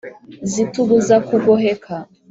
zitubuza kugoheka.